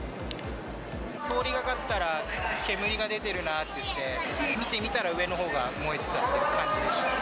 通りがかったら、煙が出てるなっていって、見てみたら上のほうが燃えてたって感じでした。